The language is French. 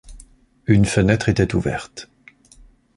Une fenêtre était ouverte.